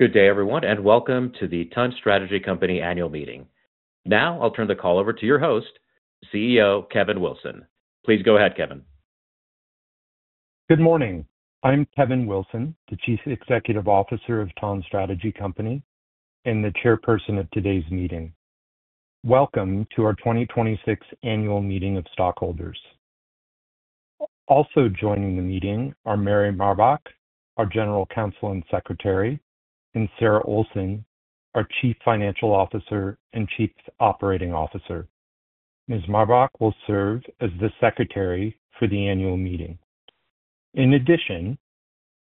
Good day everyone. Welcome to the TON Strategy Company annual meeting. I'll turn the call over to your host, CEO Kevin Wilson. Please go ahead, Kevin. Good morning. I'm Kevin Wilson, the Chief Executive Officer of TON Strategy Company and the chairperson of today's meeting. Welcome to our 2026 annual meeting of stockholders. Also joining the meeting are Mary Marbach, our General Counsel and Secretary, and Sarah Olsen, our Chief Financial Officer and Chief Operating Officer. Ms. Marbach will serve as the secretary for the annual meeting. In addition,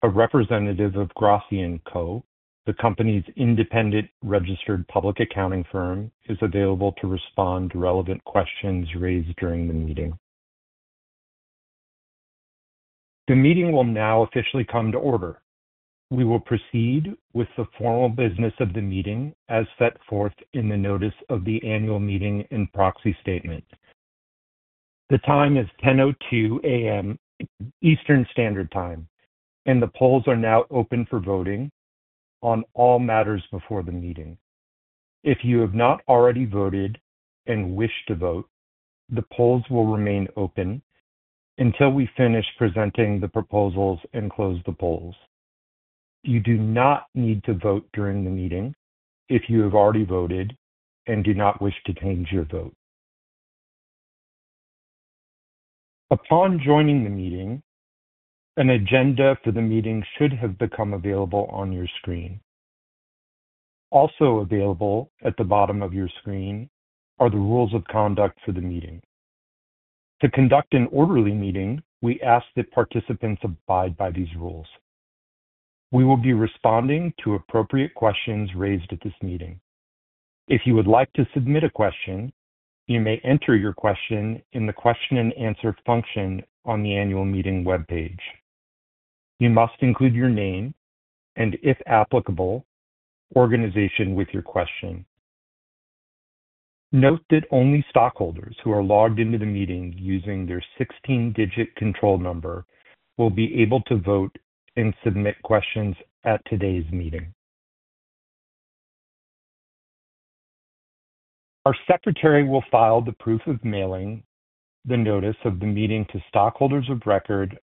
a representative of Grassi & Co., the company's independent registered public accounting firm, is available to respond to relevant questions raised during the meeting. The meeting will officially come to order. We will proceed with the formal business of the meeting as set forth in the notice of the annual meeting and proxy statement. The time is 10:02 A.M. Eastern Standard Time. The polls are now open for voting on all matters before the meeting. If you have not already voted and wish to vote, the polls will remain open until we finish presenting the proposals and close the polls. You do not need to vote during the meeting if you have already voted and do not wish to change your vote. Upon joining the meeting, an agenda for the meeting should have become available on your screen. Available at the bottom of your screen are the rules of conduct for the meeting. To conduct an orderly meeting, we ask that participants abide by these rules. We will be responding to appropriate questions raised at this meeting. If you would like to submit a question, you may enter your question in the question and answer function on the annual meeting webpage. You must include your name, and if applicable, organization with your question. Note that only stockholders who are logged into the meeting using their 16-digit control number will be able to vote and submit questions at today's meeting. Our secretary will file the proof of mailing the notice of the meeting to stockholders of record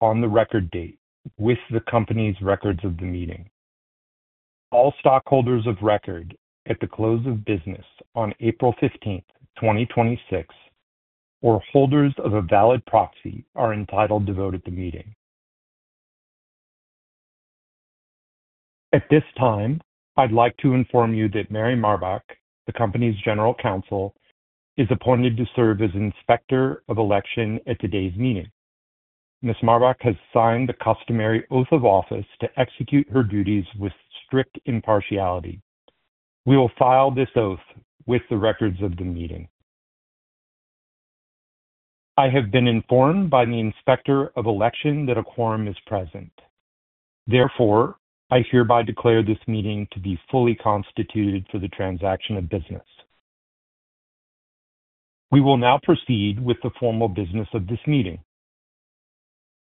on the record date with the company's records of the meeting. All stockholders of record at the close of business on April 15th, 2026, or holders of a valid proxy, are entitled to vote at the meeting. At this time, I'd like to inform you that Mary Marbach, the company's General Counsel, is appointed to serve as Inspector of Election at today's meeting. Ms. Marbach has signed the customary oath of office to execute her duties with strict impartiality. We will file this oath with the records of the meeting. I have been informed by the Inspector of Election that a quorum is present. I hereby declare this meeting to be fully constituted for the transaction of business. We will now proceed with the formal business of this meeting.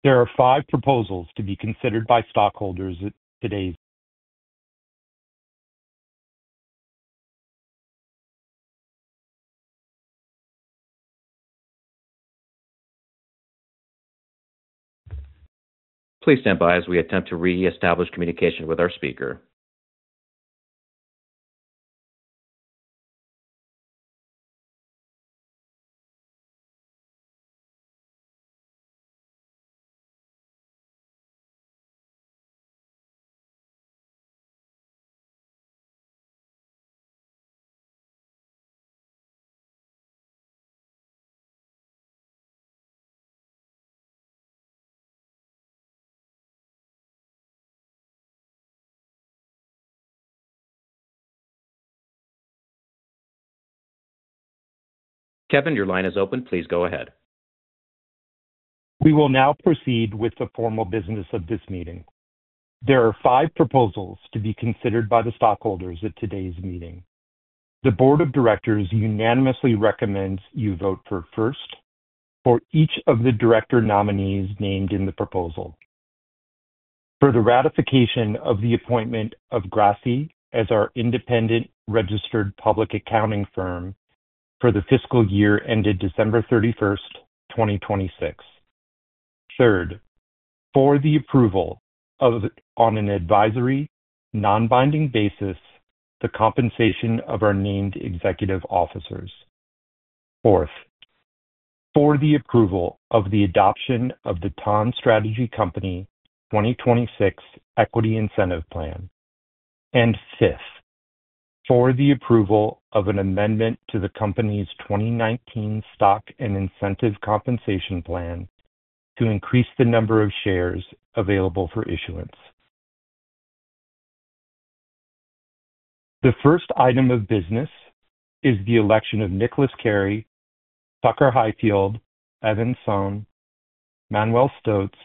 There are five proposals to be considered by stockholders at today's- Please stand by as we attempt to reestablish communication with our speaker. Kevin, your line is open. Please go ahead. We will now proceed with the formal business of this meeting. There are five proposals to be considered by the stockholders at today's meeting. The board of directors unanimously recommends you vote for, first, for each of the director nominees named in the proposal. For the ratification of the appointment of Grassi as our independent registered public accounting firm for the fiscal year ended December 31st, 2026. Third, for the approval of, on an advisory, non-binding basis, the compensation of our named executive officers. Fourth, for the approval of the adoption of the TON Strategy Company 2026 equity incentive plan. Fifth, for the approval of an amendment to the company's 2019 stock and incentive compensation plan to increase the number of shares available for issuance The first item of business is the election of Nicolas Cary, Tucker Highfield, Evan Sohn, Manuel Stotz,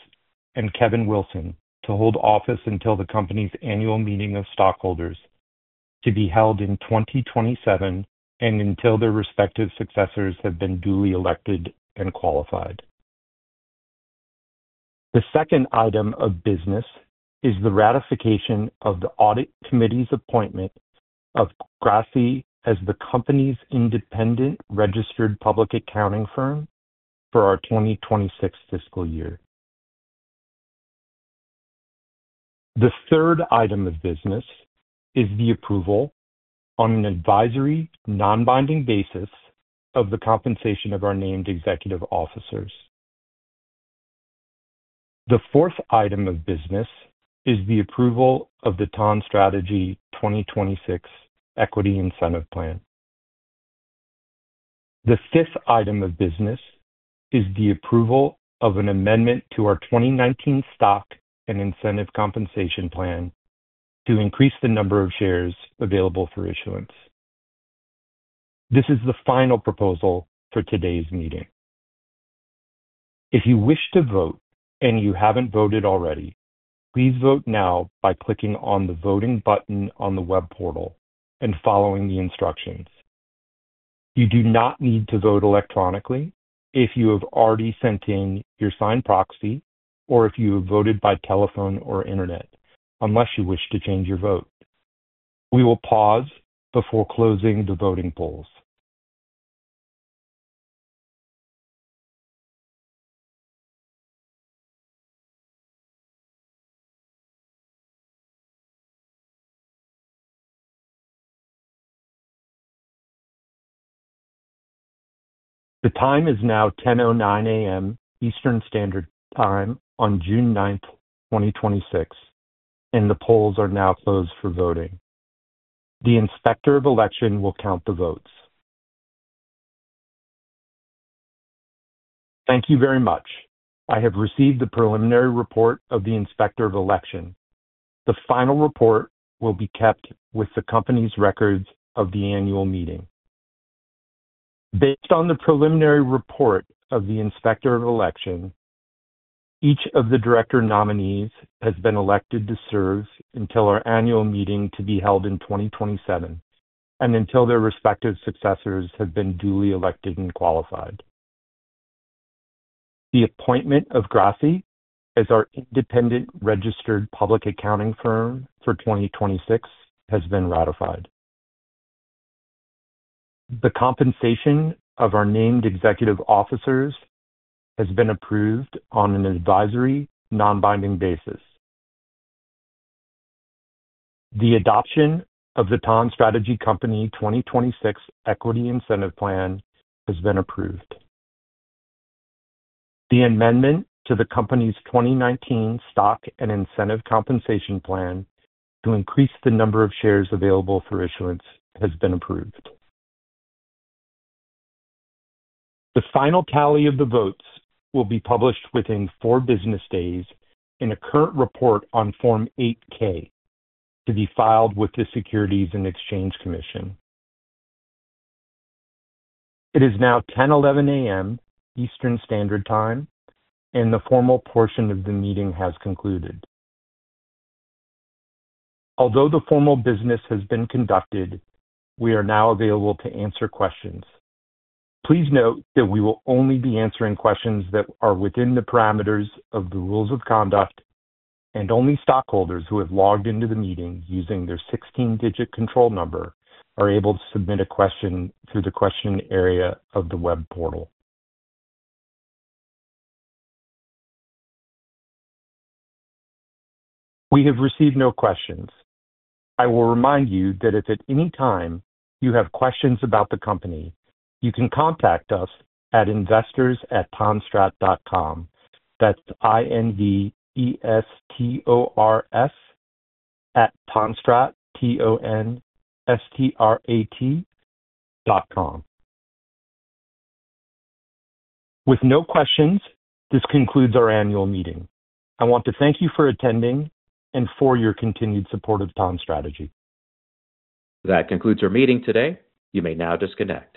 and Kevin Wilson to hold office until the company's annual meeting of stockholders to be held in 2027 and until their respective successors have been duly elected and qualified. The second item of business is the ratification of the audit committee's appointment of Grassi as the company's independent registered public accounting firm for our 2026 fiscal year. The third item of business is the approval on an advisory, non-binding basis of the compensation of our named executive officers. The fourth item of business is the approval of the TON Strategy 2026 equity incentive plan. The fifth item of business is the approval of an amendment to our 2019 stock and incentive compensation plan to increase the number of shares available for issuance. This is the final proposal for today's meeting. If you wish to vote and you haven't voted already, please vote now by clicking on the voting button on the web portal and following the instructions. You do not need to vote electronically if you have already sent in your signed proxy or if you have voted by telephone or internet, unless you wish to change your vote. We will pause before closing the voting polls. The time is now 10:09 A.M. Eastern Standard Time on June 9th, 2026, and the polls are now closed for voting. The Inspector of Election will count the votes. Thank you very much. I have received the preliminary report of the Inspector of Election. The final report will be kept with the company's records of the annual meeting. Based on the preliminary report of the Inspector of Election, each of the director nominees has been elected to serve until our annual meeting to be held in 2027 and until their respective successors have been duly elected and qualified. The appointment of Grassi as our independent registered public accounting firm for 2026 has been ratified. The compensation of our named executive officers has been approved on an advisory, non-binding basis. The adoption of the TON Strategy Company 2026 equity incentive plan has been approved. The amendment to the company's 2019 stock and incentive compensation plan to increase the number of shares available for issuance has been approved. The final tally of the votes will be published within four business days in a current report on Form 8-K to be filed with the Securities and Exchange Commission. It is now 10:11 A.M. Eastern Standard Time, and the formal portion of the meeting has concluded. Although the formal business has been conducted, we are now available to answer questions. Please note that we will only be answering questions that are within the parameters of the rules of conduct, and only stockholders who have logged into the meeting using their 16-digit control number are able to submit a question through the question area of the web portal. We have received no questions. I will remind you that if at any time you have questions about the company, you can contact us at investors@tonstrat.com. That's I-N-V-E-S-T-O-R-S @tonstrat, T-O-N-S-T-R-A-T, .com. With no questions, this concludes our annual meeting. I want to thank you for attending and for your continued support of TON Strategy. That concludes our meeting today. You may now disconnect